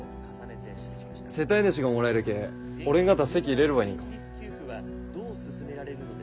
世帯主がもらえるけ俺んがた籍入れればいいんよ。